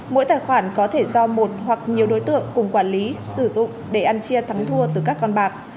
mỗi tài khoản có thể do một hoặc nhiều đối tượng cùng quản lý sử dụng để ăn chia thắng thua từ các con bạc